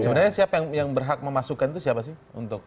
sebenarnya siapa yang berhak memasukkan itu siapa sih untuk